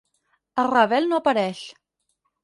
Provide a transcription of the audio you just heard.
El Ravel no apareix.